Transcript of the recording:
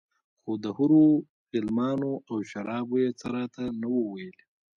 خو د حورو غلمانو او شرابو يې څه راته نه وو ويلي.